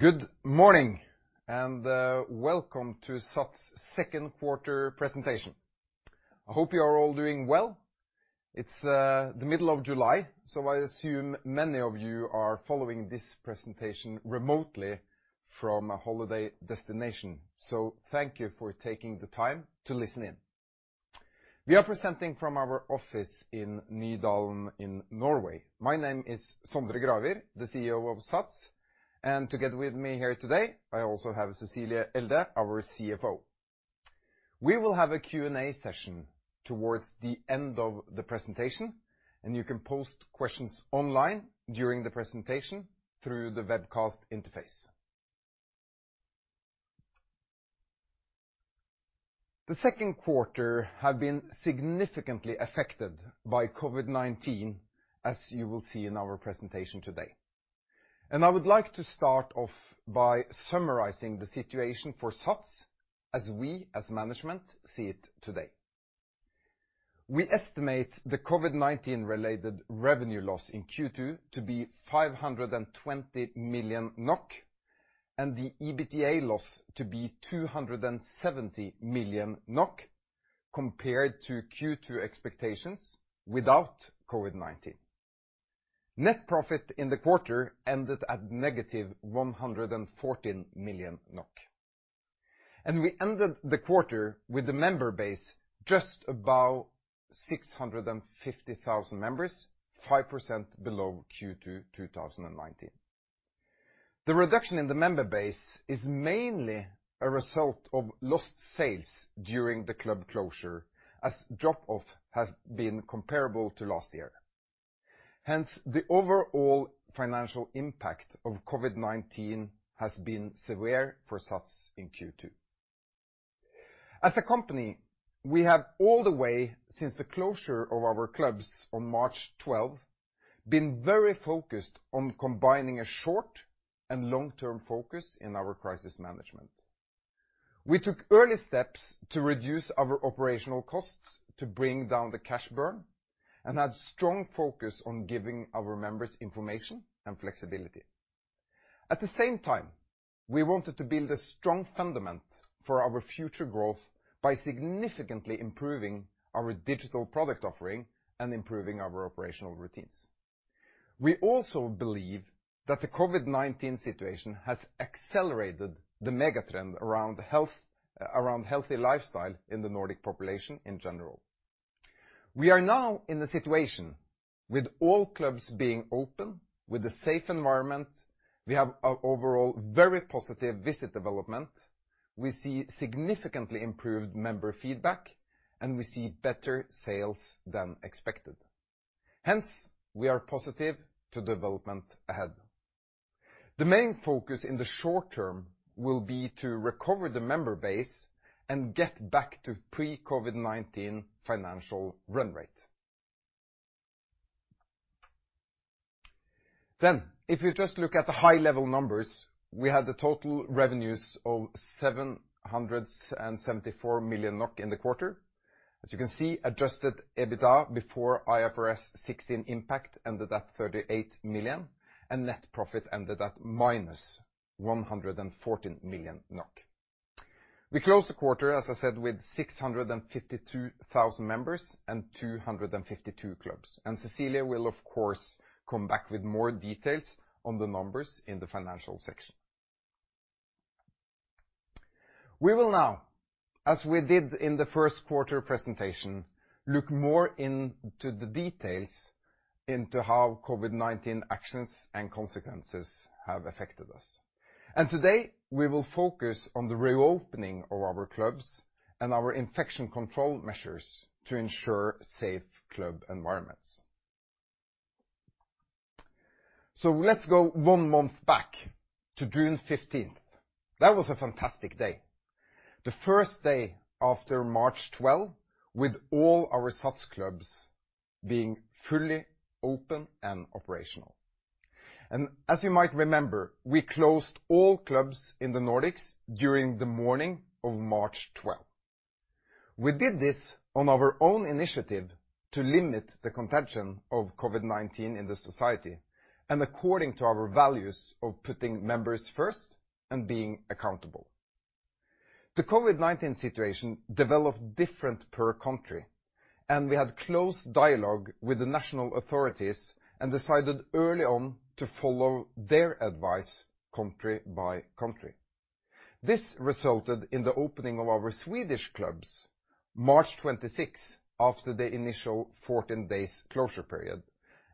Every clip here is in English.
Good morning, and welcome to SATS Second Quarter Presentation. I hope you are all doing well. It's the middle of July, so I assume many of you are following this presentation remotely from a holiday destination. So thank you for taking the time to listen in. We are presenting from our office in Nydalen in Norway. My name is Sondre Gravir, the CEO of SATS, and together with me here today, I also have Cecilie Elde, our CFO. We will have a Q&A session towards the end of the presentation, and you can post questions online during the presentation through the webcast interface. The second quarter have been significantly affected by COVID-19, as you will see in our presentation today. I would like to start off by summarizing the situation for SATS as we, as management, see it today. We estimate the COVID-19-related revenue loss in Q2 to be 520 million NOK, and the EBITDA loss to be 270 million NOK compared to Q2 expectations without COVID-19. Net profit in the quarter ended at -114 million NOK. And we ended the quarter with a member base just above 650,000 members, 5% below Q2 2019. The reduction in the member base is mainly a result of lost sales during the club closure, as drop-off has been comparable to last year. Hence, the overall financial impact of COVID-19 has been severe for SATS in Q2. As a company, we have all the way since the closure of our clubs on March 12, been very focused on combining a short and long-term focus in our crisis management. We took early steps to reduce our operational costs to bring down the cash burn and had strong focus on giving our members information and flexibility. At the same time, we wanted to build a strong fundament for our future growth by significantly improving our digital product offering and improving our operational routines. We also believe that the COVID-19 situation has accelerated the mega trend around healthy lifestyle in the Nordic population in general. We are now in a situation with all clubs being open, with a safe environment. We have an overall very positive visit development. We see significantly improved member feedback, and we see better sales than expected. Hence, we are positive to development ahead. The main focus in the short term will be to recover the member base and get back to pre-COVID-19 financial run rate. Then, if you just look at the high-level numbers, we had total revenues of 774 million NOK in the quarter. As you can see, adjusted EBITDA before IFRS 16 impact ended at 38 million, and net profit ended at -114 million NOK. We closed the quarter, as I said, with 652,000 members and 252 clubs, and Cecilie will, of course, come back with more details on the numbers in the financial section. We will now, as we did in the first quarter presentation, look more into the details into how COVID-19 actions and consequences have affected us. Today, we will focus on the reopening of our clubs and our infection control measures to ensure safe club environments. So let's go one month back to June 15th. That was a fantastic day, the first day after March 12, with all our SATS clubs being fully open and operational. And as you might remember, we closed all clubs in the Nordics during the morning of March 12. We did this on our own initiative to limit the contagion of COVID-19 in the society and according to our values of putting members first and being accountable. The COVID-19 situation developed different per country, and we had close dialogue with the national authorities and decided early on to follow their advice country-by-country. This resulted in the opening of our Swedish clubs March 26, after the initial 14 days closure period,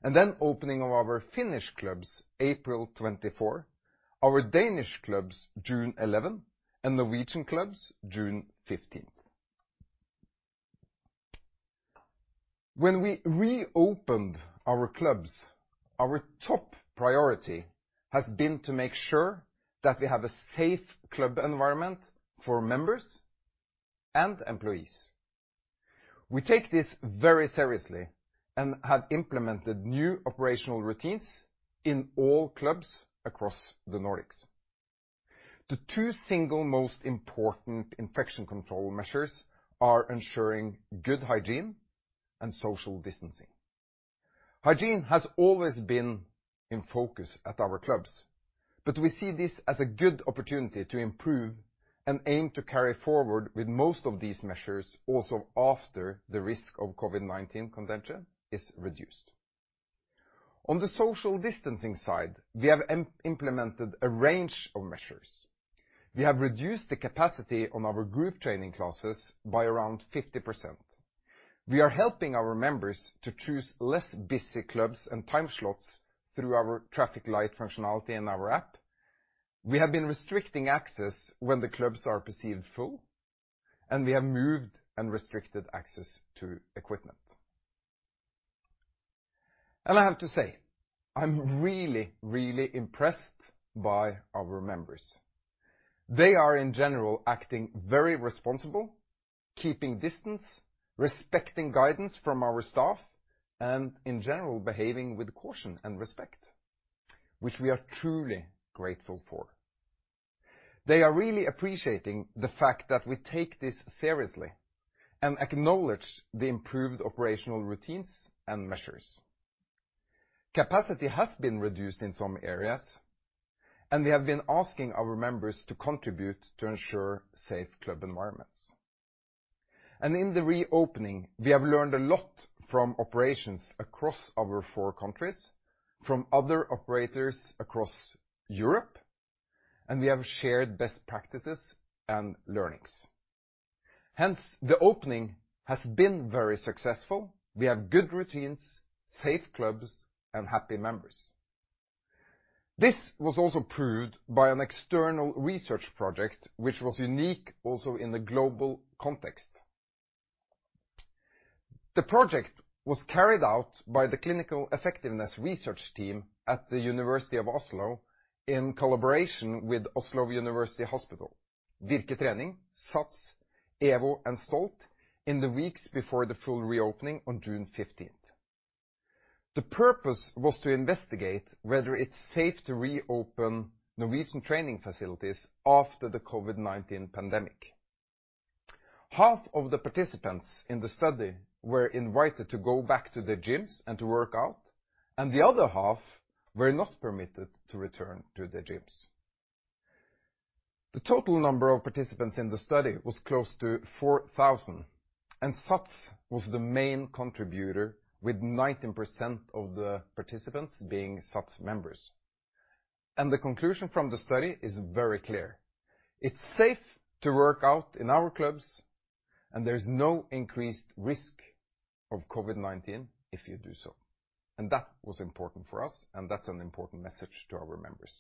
and then opening of our Finnish clubs April 24, our Danish clubs June 11, and Norwegian clubs June 15. When we reopened our clubs, our top priority has been to make sure that we have a safe club environment for members and employees. We take this very seriously and have implemented new operational routines in all clubs across the Nordics. The two single most important infection control measures are ensuring good hygiene and social distancing. Hygiene has always been in focus at our clubs, but we see this as a good opportunity to improve and aim to carry forward with most of these measures also after the risk of COVID-19 contagion is reduced. On the social distancing side, we have implemented a range of measures. We have reduced the capacity on our group training classes by around 50%. We are helping our members to choose less busy clubs and time slots through our Traffic Light functionality in our app. We have been restricting access when the clubs are perceived full, and we have moved and restricted access to equipment. I have to say, I'm really, really impressed by our members. They are, in general, acting very responsible, keeping distance, respecting guidance from our staff, and in general, behaving with caution and respect, which we are truly grateful for. They are really appreciating the fact that we take this seriously, and acknowledge the improved operational routines and measures. Capacity has been reduced in some areas, and we have been asking our members to contribute to ensure safe club environments. In the reopening, we have learned a lot from operations across our four countries, from other operators across Europe, and we have shared best practices and learnings. Hence, the opening has been very successful. We have good routines, safe clubs, and happy members. This was also proved by an external research project, which was unique also in the global context. The project was carried out by the Clinical Effectiveness Research team at the University of Oslo, in collaboration with Oslo University Hospital, Virke Trening, SATS, EVO, and STOLT in the weeks before the full reopening on June fifteenth. The purpose was to investigate whether it's safe to reopen Norwegian training facilities after the COVID-19 pandemic. Half of the participants in the study were invited to go back to their gyms and to work out, and the other half were not permitted to return to their gyms. The total number of participants in the study was close to 4,000, and SATS was the main contributor, with 19% of the participants being SATS members. And the conclusion from the study is very clear: It's safe to work out in our clubs, and there is no increased risk of COVID-19 if you do so. And that was important for us, and that's an important message to our members.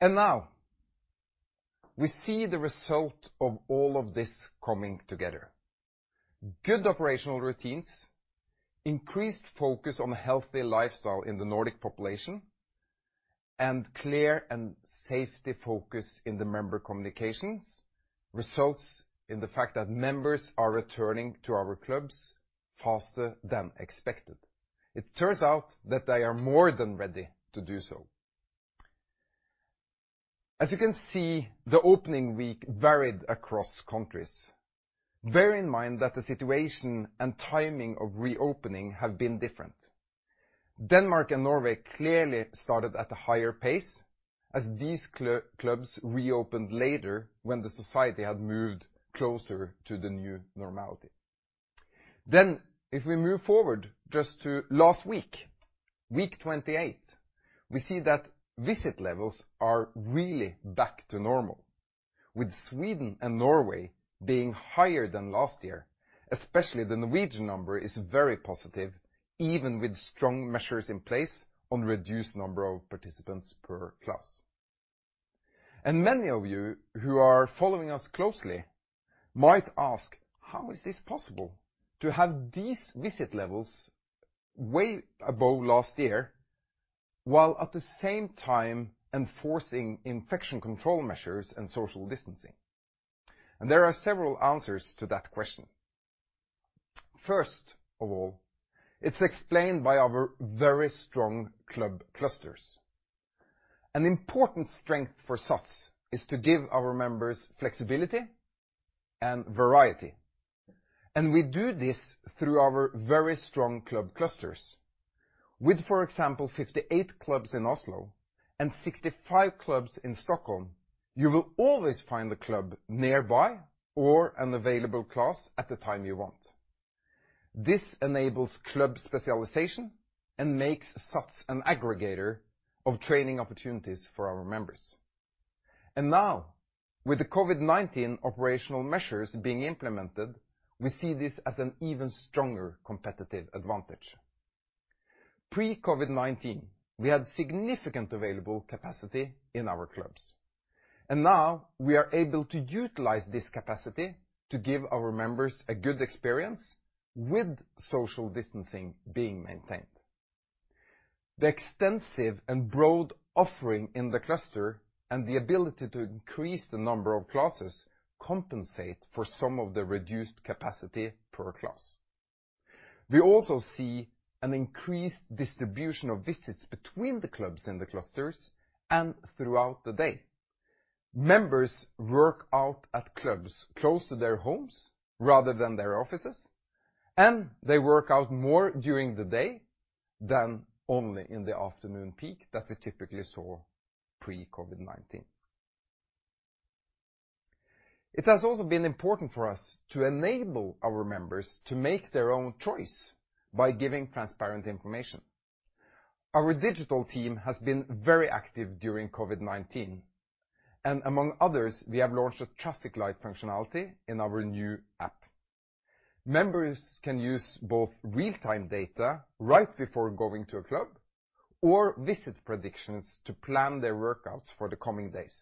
And now, we see the result of all of this coming together. Good operational routines, increased focus on healthy lifestyle in the Nordic population, and clear and safety focus in the member communications, results in the fact that members are returning to our clubs faster than expected. It turns out that they are more than ready to do so. As you can see, the opening week varied across countries. Bear in mind that the situation and timing of reopening have been different. Denmark and Norway clearly started at a higher pace, as these clubs reopened later when the society had moved closer to the new normality. Then, if we move forward just to last week, week 28, we see that visit levels are really back to normal, with Sweden and Norway being higher than last year. Especially the Norwegian number is very positive, even with strong measures in place on reduced number of participants per class. And many of you who are following us closely might ask: How is this possible, to have these visit levels way above last year, while at the same time enforcing infection control measures and social distancing? And there are several answers to that question. First of all, it's explained by our very strong club clusters. An important strength for SATS is to give our members flexibility and variety, and we do this through our very strong club clusters. With, for example, 58 clubs in Oslo and 65 clubs in Stockholm, you will always find a club nearby or an available class at the time you want. This enables club specialization and makes SATS an aggregator of training opportunities for our members. And now, with the COVID-19 operational measures being implemented, we see this as an even stronger competitive advantage. Pre-COVID-19, we had significant available capacity in our clubs, and now we are able to utilize this capacity to give our members a good experience with social distancing being maintained. The extensive and broad offering in the cluster, and the ability to increase the number of classes, compensate for some of the reduced capacity per class. We also see an increased distribution of visits between the clubs in the clusters and throughout the day. Members work out at clubs close to their homes rather than their offices, and they work out more during the day than only in the afternoon peak that we typically saw pre-COVID-19. It has also been important for us to enable our members to make their own choice by giving transparent information. Our digital team has been very active during COVID-19, and among others, we have launched a traffic light functionality in our new app. Members can use both real-time data right before going to a club or visit predictions to plan their workouts for the coming days.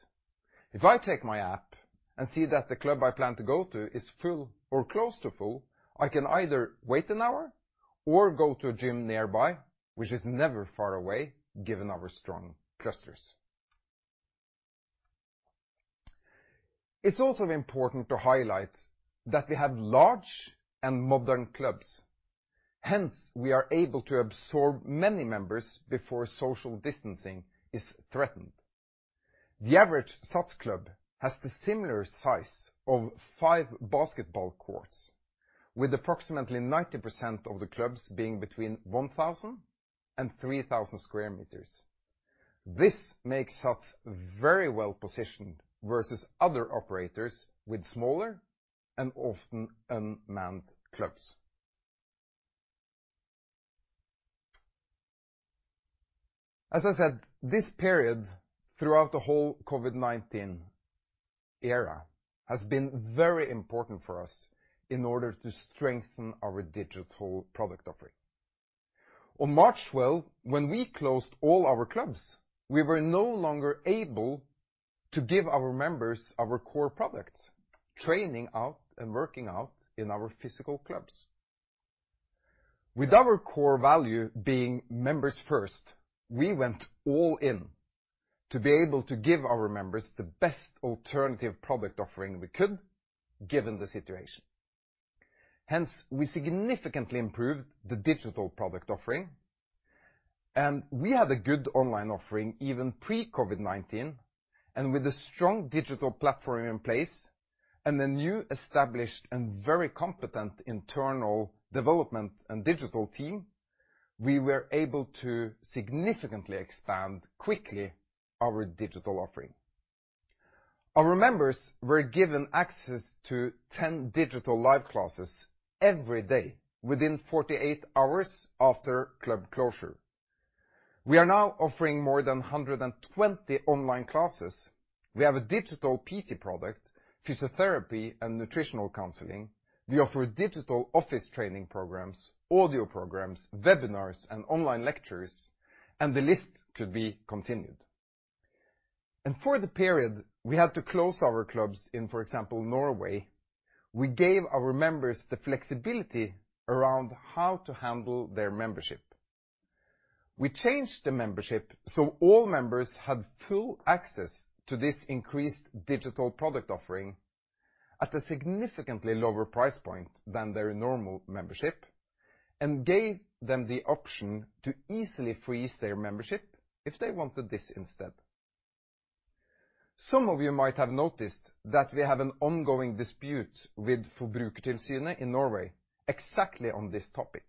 If I take my app and see that the club I plan to go to is full or close to full, I can either wait an hour or go to a gym nearby, which is never far away, given our strong clusters. It's also important to highlight that we have large and modern clubs. Hence, we are able to absorb many members before social distancing is threatened. The average SATS club has the similar size of five basketball courts, with approximately 90% of the clubs being between 1,000-3,000 sq m. This makes us very well positioned versus other operators with smaller and often unmanned clubs. As I said, this period, throughout the whole COVID-19 era, has been very important for us in order to strengthen our digital product offering. On March 12th, when we closed all our clubs, we were no longer able to give our members our core products: training out and working out in our physical clubs. With our core value being members first, we went all in to be able to give our members the best alternative product offering we could, given the situation. Hence, we significantly improved the digital product offering, and we had a good online offering, even pre-COVID-19. With a strong digital platform in place and a new established and very competent internal development and digital team, we were able to significantly expand quickly our digital offering. Our members were given access to 10 digital live classes every day within 48 hours after club closure. We are now offering more than 120 online classes. We have a digital PT product, physiotherapy and nutritional counseling. We offer digital office training programs, audio programs, webinars, and online lectures, and the list could be continued. For the period, we had to close our clubs in, for example, Norway. We gave our members the flexibility around how to handle their membership. We changed the membership so all members had full access to this increased digital product offering at a significantly lower price point than their normal membership and gave them the option to easily freeze their membership if they wanted this instead. Some of you might have noticed that we have an ongoing dispute with Forbrukertilsynet in Norway exactly on this topic.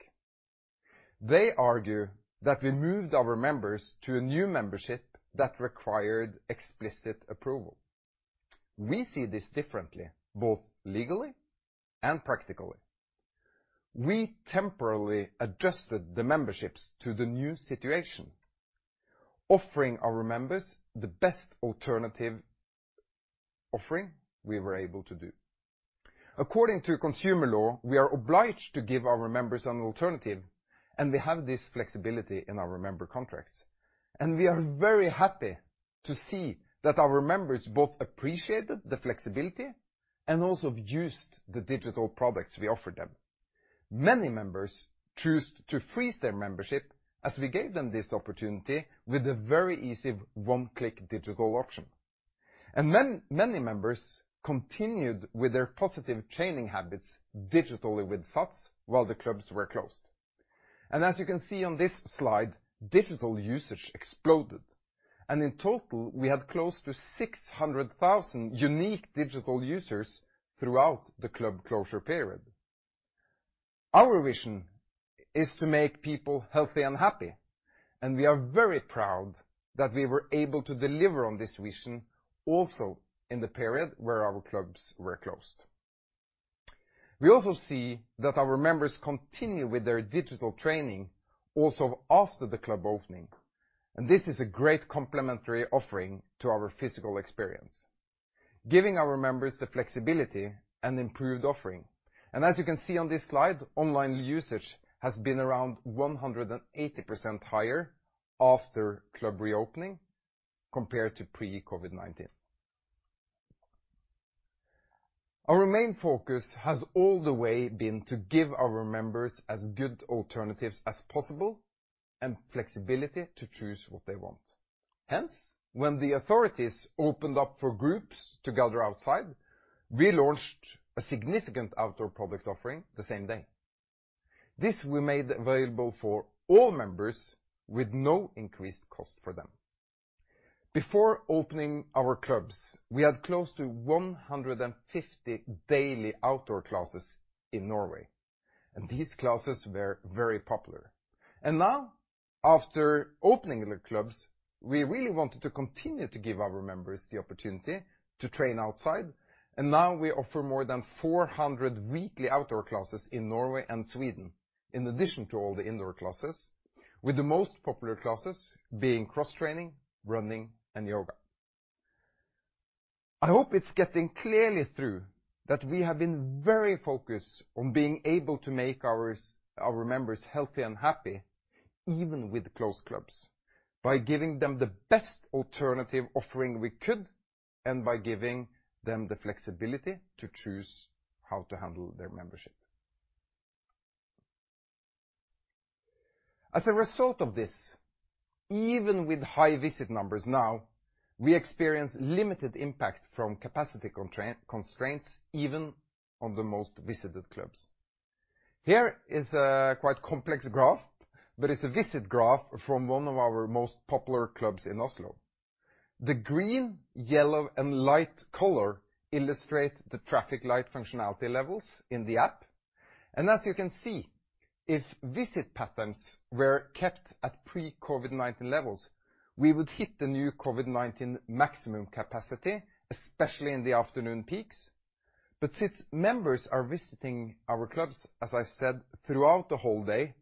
They argue that we moved our members to a new membership that required explicit approval. We see this differently, both legally and practically. We temporarily adjusted the memberships to the new situation, offering our members the best alternative offering we were able to do. According to consumer law, we are obliged to give our members an alternative, and we have this flexibility in our member contracts. We are very happy to see that our members both appreciated the flexibility and also used the digital products we offered them. Many members choose to freeze their membership, as we gave them this opportunity with a very easy one-click digital option. Then many members continued with their positive training habits digitally with SATS while the clubs were closed. As you can see on this slide, digital usage exploded, and in total, we had close to 600,000 unique digital users throughout the club closure period. Our vision is to make people healthy and happy, and we are very proud that we were able to deliver on this vision also in the period where our clubs were closed. We also see that our members continue with their digital training also after the club opening, and this is a great complementary offering to our physical experience, giving our members the flexibility and improved offering. As you can see on this slide, online usage has been around 180% higher after club reopening compared to pre-COVID-19. Our main focus has all the way been to give our members as good alternatives as possible and flexibility to choose what they want. Hence, when the authorities opened up for groups to gather outside, we launched a significant outdoor product offering the same day. This we made available for all members with no increased cost for them. Before opening our clubs, we had close to 150 daily outdoor classes in Norway, and these classes were very popular. Now, after opening the clubs, we really wanted to continue to give our members the opportunity to train outside, and now we offer more than 400 weekly outdoor classes in Norway and Sweden, in addition to all the indoor classes, with the most popular classes being cross-training, running, and yoga. I hope it's getting clearly through that we have been very focused on being able to make our members healthy and happy, even with closed clubs, by giving them the best alternative offering we could, and by giving them the flexibility to choose how to handle their membership. As a result of this, even with high visit numbers now, we experience limited impact from capacity constraints, even on the most visited clubs. Here is a quite complex graph, but it's a visit graph from one of our most popular clubs in Oslo. The green, yellow, and light color illustrate the traffic light functionality levels in the app. As you can see, if visit patterns were kept at pre-COVID-19 levels, we would hit the new COVID-19 maximum capacity, especially in the afternoon peaks. Since members are visiting our clubs, as I said, throughout the whole day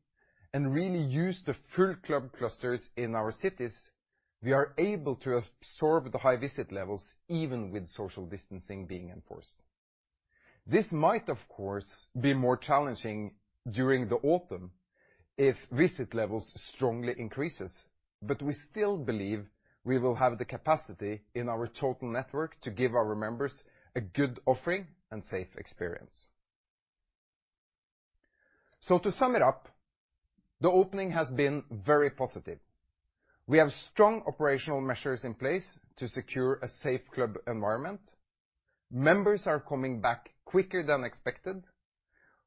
and really use the full club clusters in our cities, we are able to absorb the high visit levels, even with social distancing being enforced. This might, of course, be more challenging during the autumn if visit levels strongly increases, but we still believe we will have the capacity in our total network to give our members a good offering and safe experience. To sum it up, the opening has been very positive. We have strong operational measures in place to secure a safe club environment. Members are coming back quicker than expected.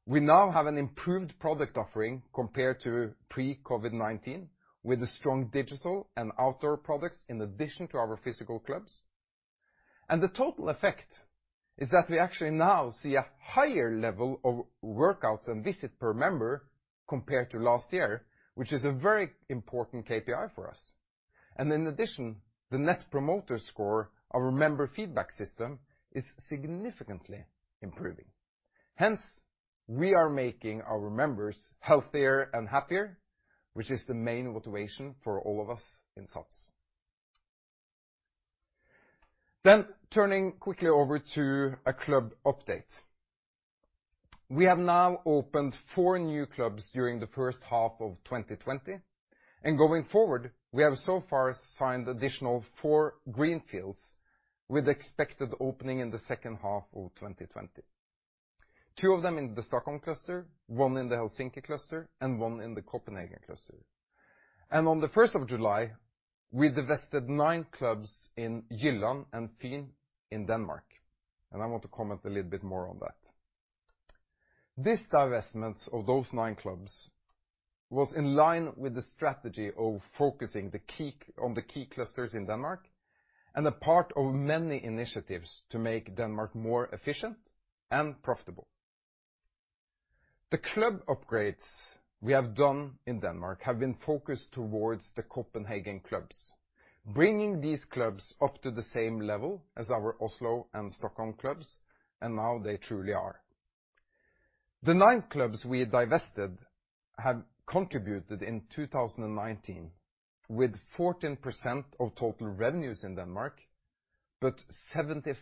We now have an improved product offering compared to pre-COVID-19, with strong digital and outdoor products in addition to our physical clubs. The total effect is that we actually now see a higher level of workouts and visit per member compared to last year, which is a very important KPI for us. In addition, the Net Promoter Score, our member feedback system, is significantly improving. Hence, we are making our members healthier and happier, which is the main motivation for all of us in SATS. Turning quickly over to a club update. We have now opened four new clubs during the first half of 2020, and going forward, we have so far signed additional four greenfields with expected opening in the second half of 2020. Two of them in the Stockholm cluster, one in the Helsinki cluster, and one in the Copenhagen cluster. On the first of July, we divested nine clubs in Jylland and Fyn in Denmark, and I want to comment a little bit more on that. This divestment of those nine clubs was in line with the strategy of focusing on the key clusters in Denmark, and a part of many initiatives to make Denmark more efficient and profitable. The club upgrades we have done in Denmark have been focused towards the Copenhagen clubs, bringing these clubs up to the same level as our Oslo and Stockholm clubs, and now they truly are. The nine clubs we divested have contributed in 2019, with 14% of total revenues in Denmark, but 75%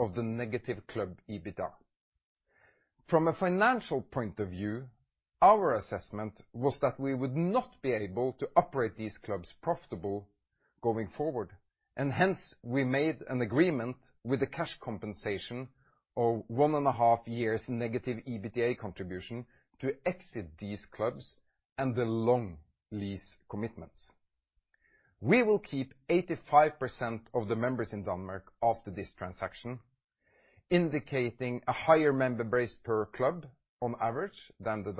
of the negative club EBITDA. From a financial point of view, our assessment was that we would not be able to operate these clubs profitable going forward, and hence, we made an agreement with a cash compensation of one and a half years negative EBITDA contribution to exit these clubs and the long lease commitments. We will keep 85% of the members in Denmark after this transaction, indicating a higher member base per club on average than the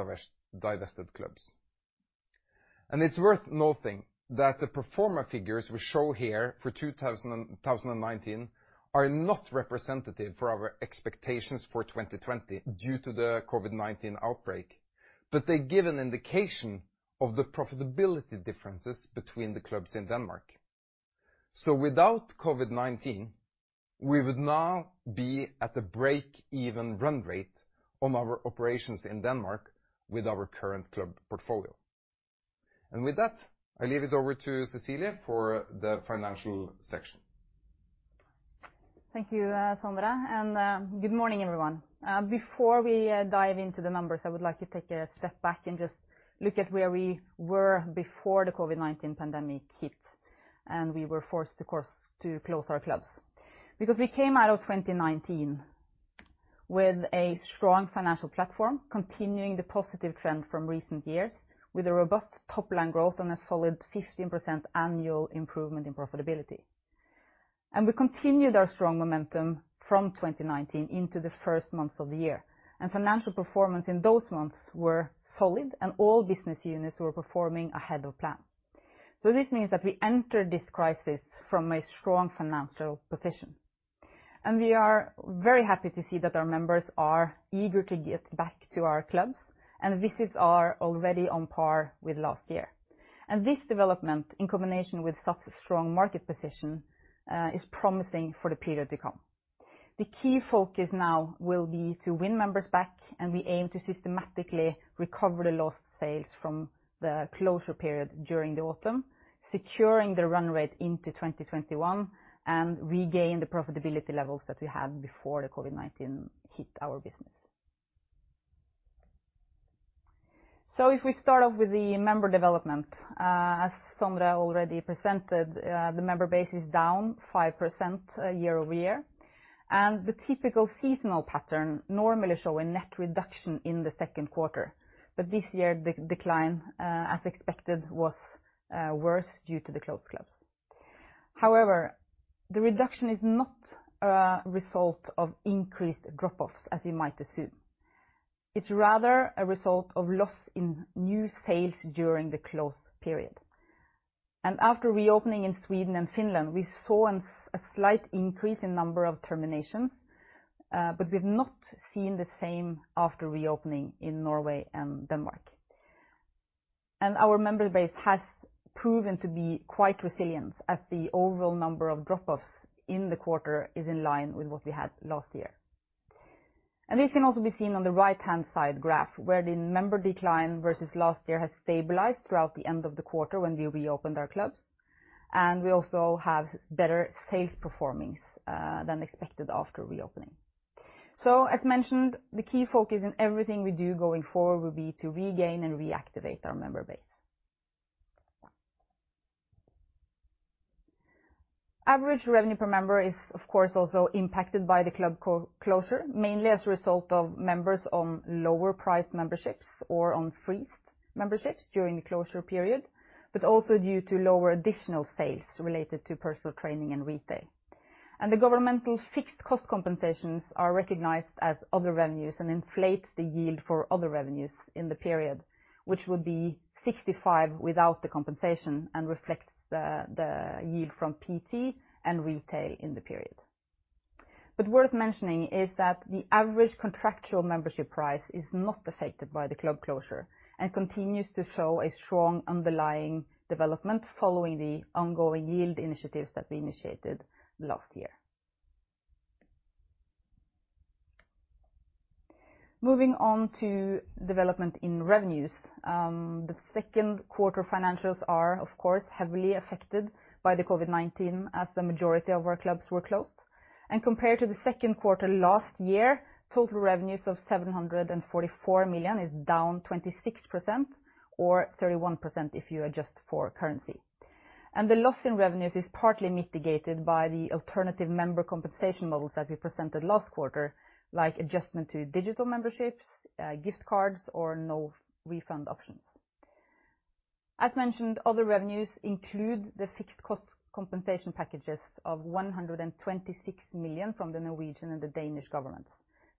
divested clubs. And it's worth noting that the pro forma figures we show here for 2019 are not representative for our expectations for 2020 due to the COVID-19 outbreak, but they give an indication of the profitability differences between the clubs in Denmark. So without COVID-19, we would now be at a break-even run rate on our operations in Denmark with our current club portfolio. With that, I leave it over to Cecilie for the financial section. Thank you, Sondre, and good morning, everyone. Before we dive into the numbers, I would like to take a step back and just look at where we were before the COVID-19 pandemic hit and we were forced, of course, to close our clubs. Because we came out of 2019 with a strong financial platform, continuing the positive trend from recent years, with a robust top-line growth and a solid 15% annual improvement in profitability. And we continued our strong momentum from 2019 into the first month of the year, and financial performance in those months were solid, and all business units were performing ahead of plan. So this means that we entered this crisis from a strong financial position. We are very happy to see that our members are eager to get back to our clubs, and visits are already on par with last year. This development, in combination with such a strong market position, is promising for the period to come. The key focus now will be to win members back, and we aim to systematically recover the lost sales from the closure period during the autumn, securing the run rate into 2021, and regain the profitability levels that we had before the COVID-19 hit our business. If we start off with the member development, as Sondre already presented, the member base is down 5% year-over-year, and the typical seasonal pattern normally show a net reduction in the second quarter. But this year, the decline, as expected, was worse due to the closed clubs. However, the reduction is not a result of increased drop-offs, as you might assume. It's rather a result of loss in new sales during the closed period. After reopening in Sweden and Finland, we saw a slight increase in number of terminations, but we've not seen the same after reopening in Norway and Denmark. Our member base has proven to be quite resilient, as the overall number of drop-offs in the quarter is in line with what we had last year. This can also be seen on the right-hand side graph, where the member decline versus last year has stabilized throughout the end of the quarter when we reopened our clubs, and we also have better sales performance than expected after reopening. So as mentioned, the key focus in everything we do going forward will be to regain and reactivate our member base. Average revenue per member is, of course, also impacted by the club closure, mainly as a result of members on lower priced memberships or on frozen memberships during the closure period, but also due to lower additional sales related to personal training and retail. The governmental fixed cost compensations are recognized as other revenues and inflates the yield for other revenues in the period, which would be 65 without the compensation and reflects the, the yield from PT and retail in the period. Worth mentioning is that the average contractual membership price is not affected by the club closure and continues to show a strong underlying development following the ongoing yield initiatives that we initiated last year. Moving on to development in revenues. The second quarter financials are, of course, heavily affected by the COVID-19 as the majority of our clubs were closed. Compared to the second quarter last year, total revenues of 744 million is down 26%, or 31% if you adjust for currency. The loss in revenues is partly mitigated by the alternative member compensation models that we presented last quarter, like adjustment to digital memberships, gift cards, or no refund options. As mentioned, other revenues include the fixed cost compensation packages of 126 million from the Norwegian and the Danish government.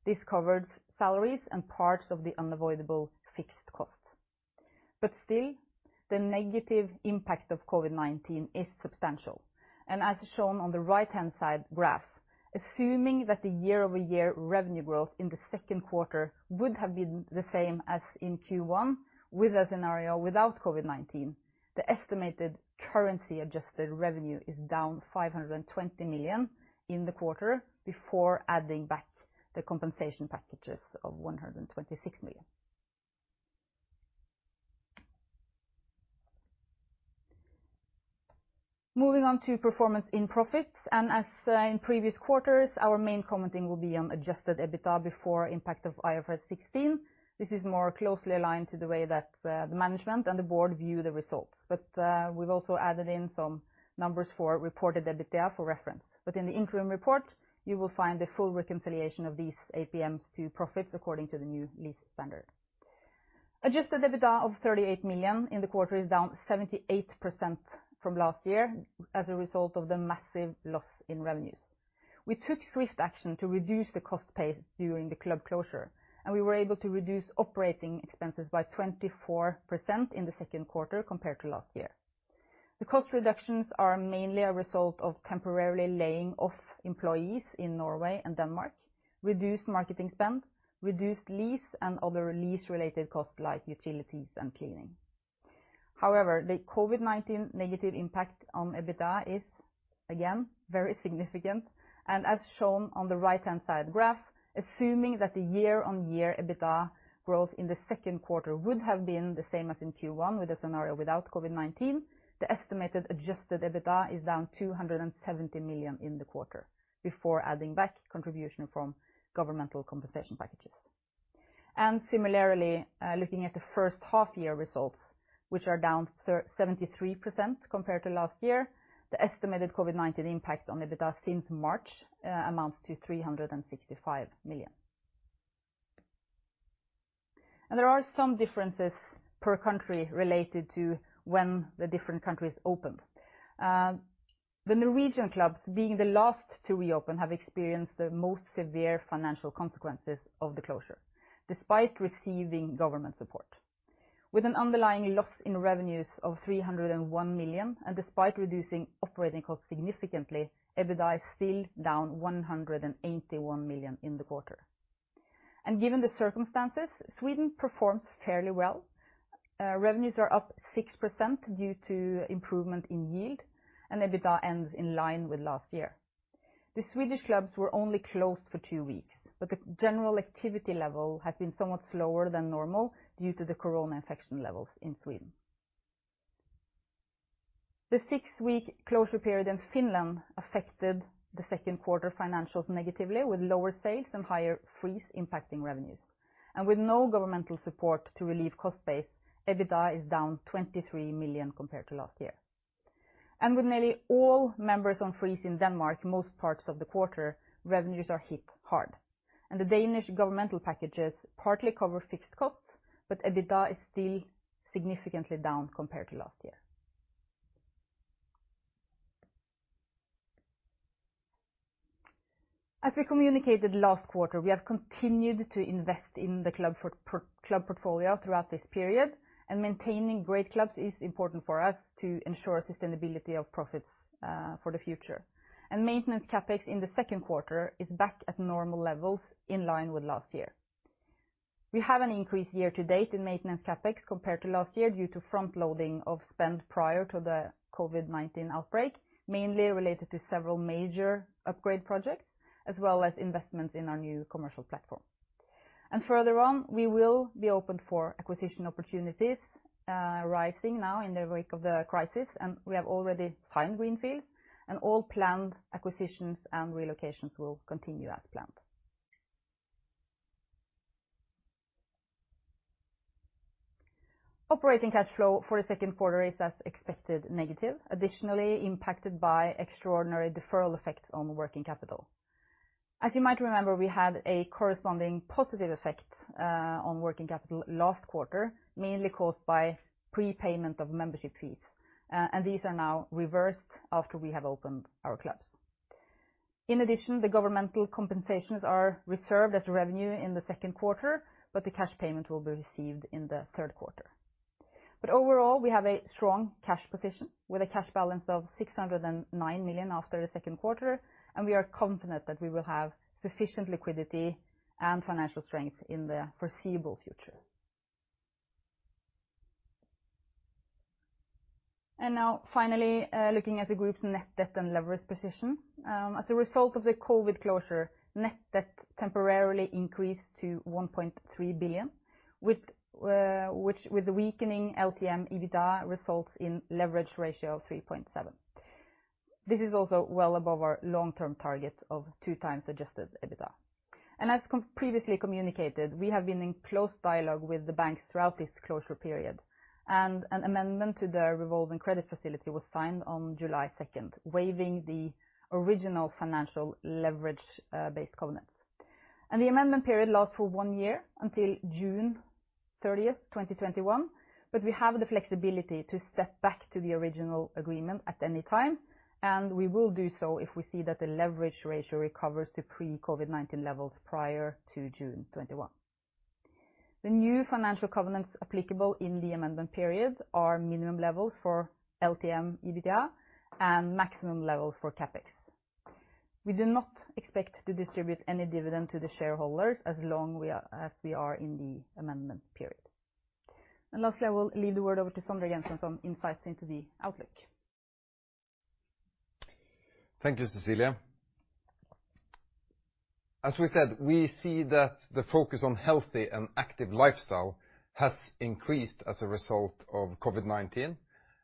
This covers salaries and parts of the unavoidable fixed costs. But still, the negative impact of COVID-19 is substantial, and as shown on the right-hand side graph, assuming that the year-over-year revenue growth in the second quarter would have been the same as in Q1, with a scenario without COVID-19, the estimated currency-adjusted revenue is down 520 million in the quarter before adding back the compensation packages of 126 million. Moving on to performance in profits, and as in previous quarters, our main commenting will be on adjusted EBITDA before impact of IFRS 16. This is more closely aligned to the way that the management and the board view the results. But we've also added in some numbers for reported EBITDA for reference. But in the interim report, you will find the full reconciliation of these APMs to profits according to the new lease standard. Adjusted EBITDA of 38 million in the quarter is down 78% from last year as a result of the massive loss in revenues. We took swift action to reduce the cost base during the club closure, and we were able to reduce operating expenses by 24% in the second quarter compared to last year. The cost reductions are mainly a result of temporarily laying off employees in Norway and Denmark, reduced marketing spend, reduced lease and other lease-related costs like utilities and cleaning. However, the COVID-19 negative impact on EBITDA is, again, very significant, and as shown on the right-hand side graph, assuming that the year-on-year EBITDA growth in the second quarter would have been the same as in Q1 with a scenario without COVID-19, the estimated adjusted EBITDA is down 270 million in the quarter, before adding back contribution from governmental compensation packages. Similarly, looking at the first half-year results, which are down 73% compared to last year, the estimated COVID-19 impact on EBITDA since March amounts to 365 million. There are some differences per country related to when the different countries opened. The Norwegian clubs, being the last to reopen, have experienced the most severe financial consequences of the closure, despite receiving government support. With an underlying loss in revenues of 301 million, and despite reducing operating costs significantly, EBITDA is still down 181 million in the quarter. Given the circumstances, Sweden performs fairly well. Revenues are up 6% due to improvement in yield, and EBITDA ends in line with last year. The Swedish clubs were only closed for two weeks, but the general activity level has been somewhat slower than normal due to the corona infection levels in Sweden. The six-week closure period in Finland affected the second quarter financials negatively, with lower sales and higher freeze impacting revenues. And with no governmental support to relieve cost base, EBITDA is down 23 million compared to last year. And with nearly all members on freeze in Denmark, most parts of the quarter, revenues are hit hard, and the Danish governmental packages partly cover fixed costs, but EBITDA is still significantly down compared to last year. As we communicated last quarter, we have continued to invest in the club portfolio throughout this period, and maintaining great clubs is important for us to ensure sustainability of profits for the future. Maintenance CapEx in the second quarter is back at normal levels in line with last year. We have an increase year to date in maintenance CapEx compared to last year due to front-loading of spend prior to the COVID-19 outbreak, mainly related to several major upgrade projects, as well as investments in our new commercial platform. Further on, we will be open for acquisition opportunities arising now in the wake of the crisis, and we have already signed greenfields, and all planned acquisitions and relocations will continue as planned. Operating cash flow for the second quarter is, as expected, negative, additionally impacted by extraordinary deferral effects on working capital. As you might remember, we had a corresponding positive effect on working capital last quarter, mainly caused by prepayment of membership fees, and these are now reversed after we have opened our clubs. In addition, the governmental compensations are reserved as revenue in the second quarter, but the cash payment will be received in the third quarter. Overall, we have a strong cash position, with a cash balance of 609 million after the second quarter, and we are confident that we will have sufficient liquidity and financial strength in the foreseeable future. Now, finally, looking at the group's net debt and leverage position. As a result of the COVID closure, net debt temporarily increased to 1.3 billion, with, which with the weakening LTM EBITDA results in leverage ratio of 3.7x. This is also well above our long-term target of 2x adjusted EBITDA. As previously communicated, we have been in close dialogue with the banks throughout this closure period, and an amendment to the revolving credit facility was signed on July 2nd, waiving the original financial leverage-based covenants. The amendment period lasts for one year, until June 30th, 2021, but we have the flexibility to step back to the original agreement at any time, and we will do so if we see that the leverage ratio recovers to pre-COVID-19 levels prior to June 2021. The new financial covenants applicable in the amendment period are minimum levels for LTM EBITDA and maximum levels for CapEx. We do not expect to distribute any dividend to the shareholders as long as we are in the amendment period. Lastly, I will hand the word over to Sondre Gravir for some insights into the outlook. Thank you, Cecilie. As we said, we see that the focus on healthy and active lifestyle has increased as a result of COVID-19,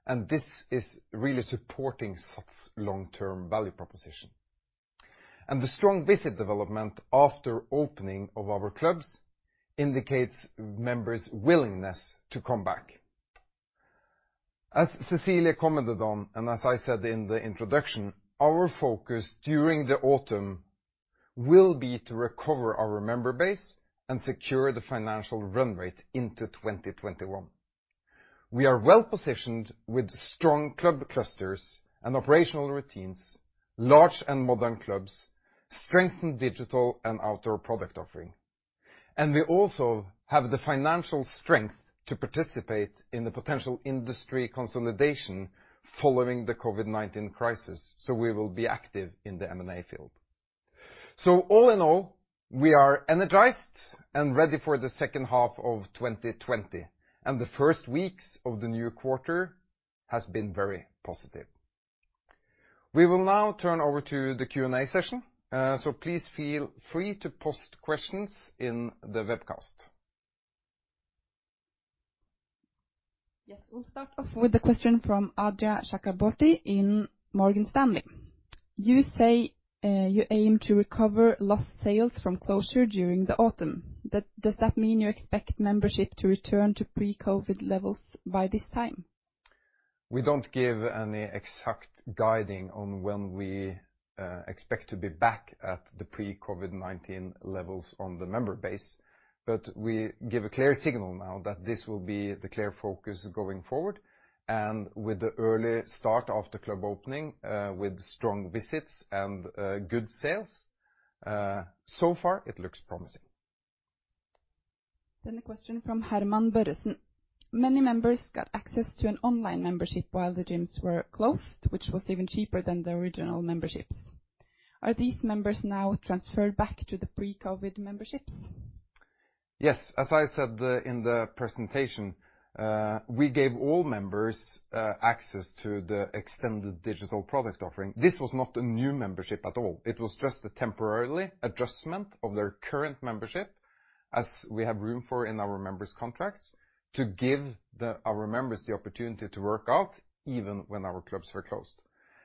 and this is really supporting such long-term value proposition. The strong visit development after opening of our clubs indicates members' willingness to come back. As Cecilie commented on, and as I said in the introduction, our focus during the autumn will be to recover our member base and secure the financial run rate into 2021. We are well-positioned with strong club clusters and operational routines, large and modern clubs, strengthened digital and outdoor product offering. We also have the financial strength to participate in the potential industry consolidation following the COVID-19 crisis, so we will be active in the M&A field. So all in all, we are energized and ready for the second half of 2020, and the first weeks of the new quarter has been very positive. We will now turn over to the Q&A session, so please feel free to post questions in the webcast. Yes, we'll start off with a question from Adrija Chakraborty in Morgan Stanley. You say you aim to recover lost sales from closure during the autumn. Does that mean you expect membership to return to pre-COVID levels by this time? .We don't give any exact guiding on when we expect to be back at the pre-COVID-19 levels on the member base. But we give a clear signal now that this will be the clear focus going forward, and with the early start of the club opening, with strong visits and good sales, so far it looks promising. A question from Herman Børresen. Many members got access to an online membership while the gyms were closed, which was even cheaper than the original memberships. Are these members now transferred back to the pre-COVID memberships? Yes. As I said in the presentation, we gave all members access to the extended digital product offering. This was not a new membership at all. It was just a temporary adjustment of their current membership, as we have room for in our members' contracts, to give our members the opportunity to work out even when our clubs were closed.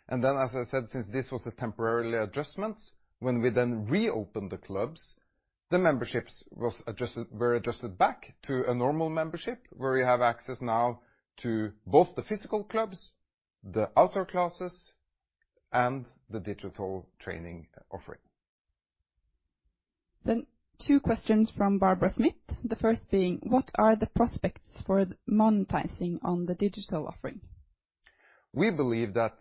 And then, as I said, since this was a temporary adjustment, when we then reopened the clubs, the memberships were adjusted back to a normal membership, where you have access now to both the physical clubs, the outdoor classes, and the digital training offering. Then two questions from Barbara Smith. The first being: What are the prospects for the monetization of the digital offering? We believe that,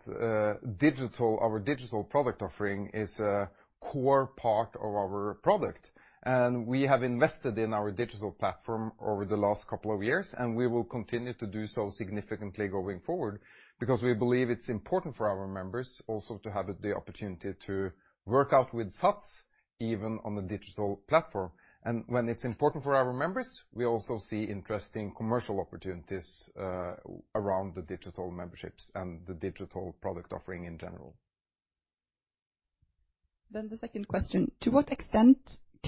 digital, our digital product offering is a core part of our product, and we have invested in our digital platform over the last couple of years, and we will continue to do so significantly going forward. Because we believe it's important for our members also to have the opportunity to work out with SATS, even on the digital platform. And when it's important for our members, we also see interesting commercial opportunities, around the digital memberships and the digital product offering in general. The second question: To what extent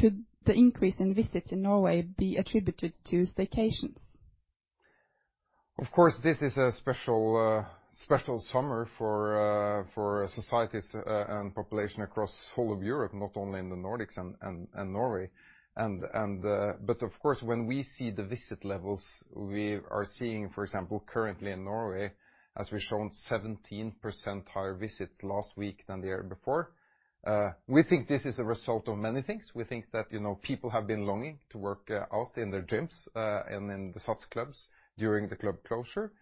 could the increase in visits in Norway be attributed to staycations? Of course, this is a special summer for societies and population across whole of Europe, not only in the Nordics and Norway. But of course, when we see the visit levels, we are seeing, for example, currently in Norway, as we've shown 17% higher visits last week than the year before, we think this is a result of many things. We think that, you know, people have been longing to work out in their gyms and in the SATS clubs during the club closure.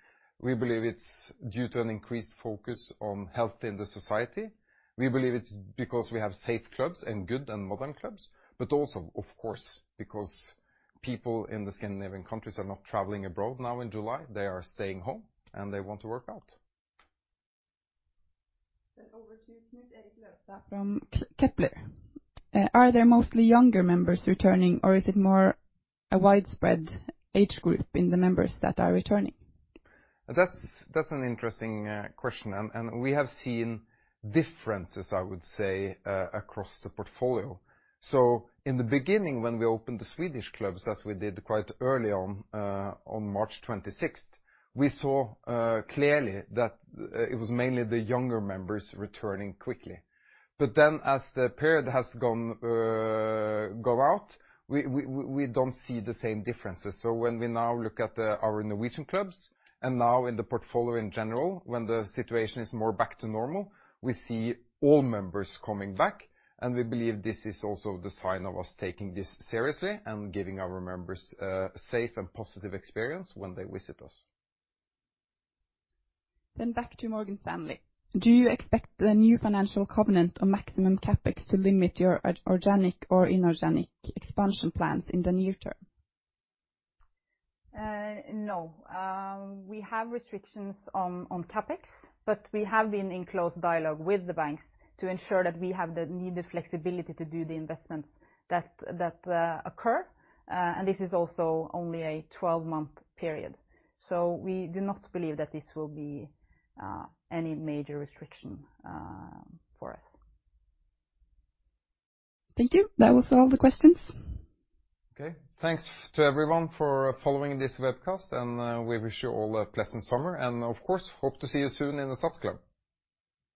We believe it's due to an increased focus on health in the society. We believe it's because we have safe clubs and good and modern clubs, but also, of course, because people in the Scandinavian countries are not traveling abroad now in July. They are staying home, and they want to work out. Then over to Schmidt from Kepler: Are there mostly younger members returning, or is it more a widespread age group in the members that are returning? That's an interesting question, and we have seen differences, I would say, across the portfolio. So in the beginning, when we opened the Swedish clubs, as we did quite early on, on March 26th, we saw clearly that it was mainly the younger members returning quickly. But then as the period has gone on, we don't see the same differences. So when we now look at our Norwegian clubs, and now in the portfolio in general, when the situation is more back to normal, we see all members coming back, and we believe this is also the sign of us taking this seriously and giving our members a safe and positive experience when they visit us. Then back to Morgan Stanley: Do you expect the new financial covenant on maximum CapEx to limit your organic or inorganic expansion plans in the near term? No. We have restrictions on CapEx, but we have been in close dialogue with the banks to ensure that we have the needed flexibility to do the investment that occur. And this is also only a 12-month period, so we do not believe that this will be any major restriction for us. Thank you. That was all the questions. Okay. Thanks to everyone for following this webcast, and we wish you all a pleasant summer, and of course hope to see you soon in a SATS club.